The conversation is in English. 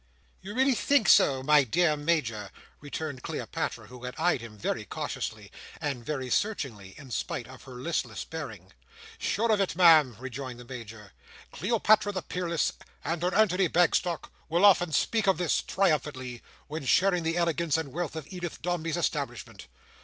"You really think so, my dear Major?" returned Cleopatra, who had eyed him very cautiously, and very searchingly, in spite of her listless bearing. "Sure of it, Ma'am," rejoined the Major. "Cleopatra the peerless, and her Antony Bagstock, will often speak of this, triumphantly, when sharing the elegance and wealth of Edith Dombey's establishment.